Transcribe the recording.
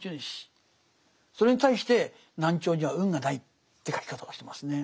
それに対して南朝には運がないって書き方をしてますね。